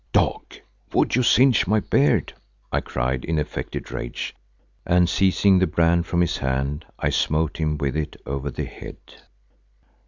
"Dog! would you singe my beard?" I cried in affected rage, and seizing the brand from his hand I smote him with it over the head.